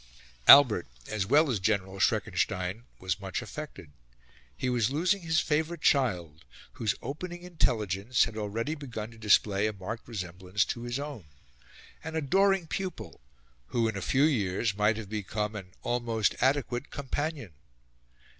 Albert, as well as General Schreckenstein, was much affected. He was losing his favourite child, whose opening intelligence had already begun to display a marked resemblance to his own an adoring pupil, who, in a few years, might have become an almost adequate companion.